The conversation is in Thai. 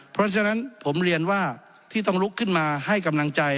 เพราะฉะนั้นผมเรียนว่าที่ต้องลุกขึ้นมาให้กำลังใจ